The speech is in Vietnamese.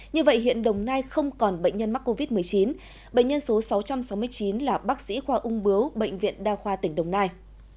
như vậy hiện đồng nai không còn bệnh nhân mắc covid một mươi chín bệnh nhân số sáu trăm sáu mươi chín là bác sĩ khoa ung bướu bệnh viện đa khoa tỉnh đồng nai